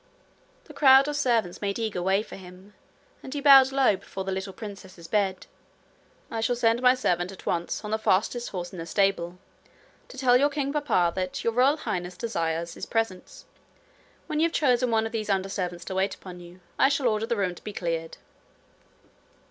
The crowd of servants made eager way for him, and he bowed low before the little princess's bed. 'I shall send my servant at once, on the fastest horse in the stable, to tell your king papa that Your Royal Highness desires his presence. When you have chosen one of these under servants to wait upon you, I shall order the room to be cleared.'